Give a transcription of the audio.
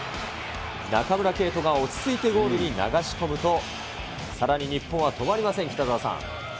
中村敬斗が落ち着いてゴールに流し込むと、さらに日本は止まりません、北澤さん。